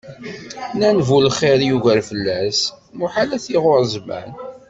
Nnan bu lxir yugar fell-as, muḥal ad t-iɣurr zzman.